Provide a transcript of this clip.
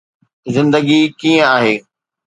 زندگي ڪيئن آهي